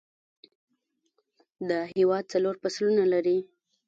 دا هیواد څلور فصلونه لري